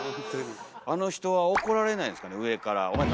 あの人は怒られないんですかね上から。